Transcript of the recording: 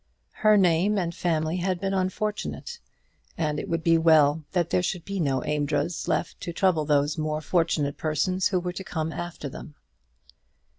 Her name and family had been unfortunate, and it would be well that there should be no Amedroz left to trouble those more fortunate persons who were to come after them.